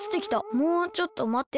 「もうちょっとまって。